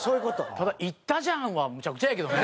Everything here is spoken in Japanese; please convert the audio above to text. ただ「言ったじゃん！」はむちゃくちゃやけどね。